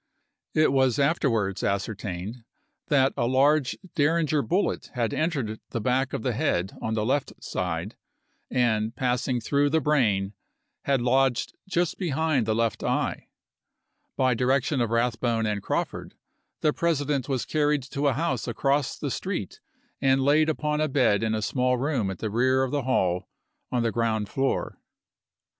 It was afterwards ascertained that a large derringer bullet had entered the back of the head on the left side, and, passing through the brain, had lodged just behind the left eye. By direction of Eathbone and Crawford, the President was carried to a house across the street and laid upon a bed in a small room at the rear of the hall, on the ground floor. Mrs.